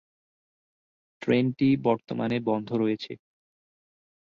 ট্রেনটি বর্তমানে বন্ধ রয়েছে।